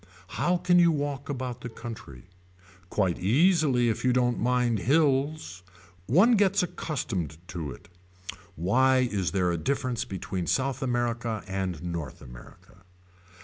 How can you walk about the country. Quite easily if you don't mind hills. One gets accustomed to it. Why is there a difference between South America and North America.